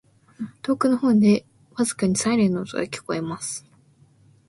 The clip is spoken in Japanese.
•遠くの方で、微かにサイレンの音が聞こえます。